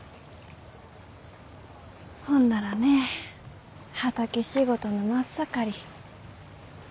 ほんならね畑仕事の真っ盛り。